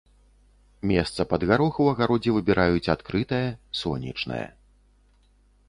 Месца пад гарох у агародзе выбіраюць адкрытае, сонечнае.